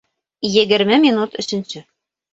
Егерме минут өсөнсө